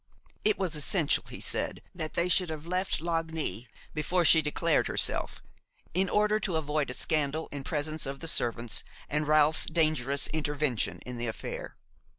It was essential, he said, that they should have left Lagny before she declared herself, in order to avoid a scandal in presence of the servants, and Ralph's dangerous intervention in the affair.